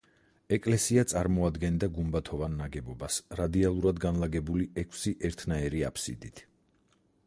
ეკლესია წარმოადგენდა გუმბათოვან ნაგებობას რადიალურად განლაგებული ექვსი ერთნაირი აფსიდით.